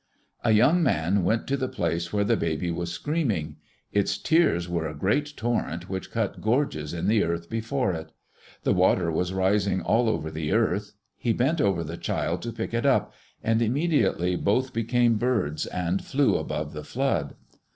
A young man went to the place where the baby was screaming. Its tears were a great torrent which cut gorges in the earth before it. The water was rising all over the earth. He bent over the child to pick it up, and immediately both became birds and flew above the flood.